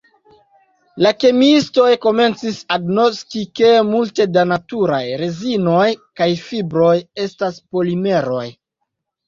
La kemiistoj komencis agnoski, ke multe de la naturaj rezinoj kaj fibroj estas polimeroj.